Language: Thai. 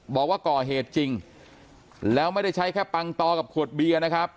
บอกว่าก่อเหตุจริงแล้วไม่ได้ใช้แค่ปังตอกับขวดเบียร์นะครับ